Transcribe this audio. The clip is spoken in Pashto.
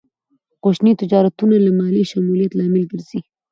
کوچني تجارتونه د مالي شمولیت لامل ګرځي.